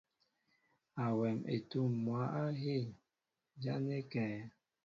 Awɛm etǔm mwǎ á hîn, ján é kɛ̌?